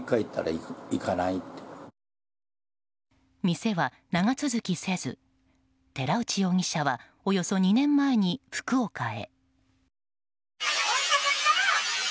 店は長続きせず寺内容疑者はおよそ２年前に福岡へ。